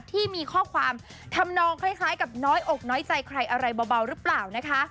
ที่มีข้อความทำนองคล้ายกับน้อยอกน้อยใจใครอะไรเบาหรือเปล่านะคะ